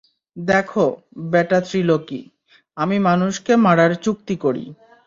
দেখো, ব্যাটা ত্রিলকি, আমি মানুষকে মারার চুক্তি করি।